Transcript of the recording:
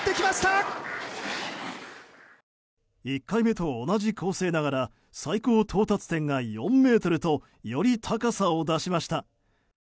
１回目と同じ構成ながら最高到達点が４ｍとより高さを出しました。